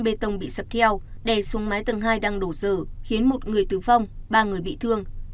bê tông bị sập theo đè xuống mái tầng hai đang đổ dở khiến một người tử vong ba người bị thương